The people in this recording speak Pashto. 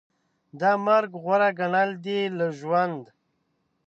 دا مرګ غوره ګڼل دي له ژوند